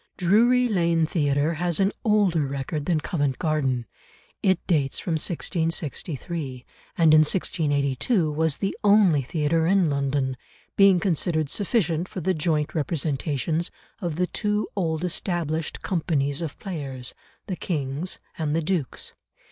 Drury Lane Theatre has an older record than Covent Garden. It dates from 1663, and in 1682 was the only theatre in London, being considered sufficient for the joint representations of the two old established companies of players, The King's and The Duke's.